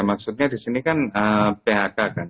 maksudnya di sini kan phk kan